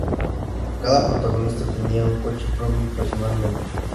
Cada protagonista tenía un coche propio personalmente.